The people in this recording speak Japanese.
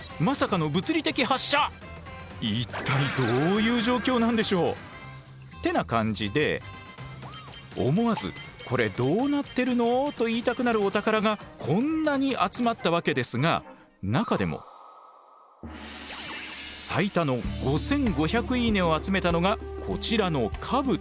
恋の場面だそうなんですが。ってな感じで思わず「コレどうなってるの？」と言いたくなるお宝がこんなに集まったわけですが中でも最多の５，５００「いいね」を集めたのがこちらの兜。